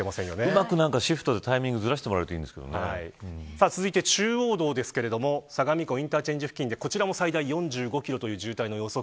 うまくシフトでタイミングをずらしてもらえると続いて中央道ですが相模湖インターチェンジ付近でこちらも最大４５キロという渋滞の予測。